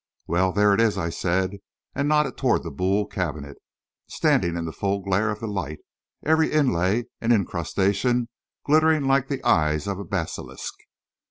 "Well, there it is," I said, and nodded toward the Boule cabinet, standing in the full glare of the light, every inlay and incrustation glittering like the eyes of a basilisk.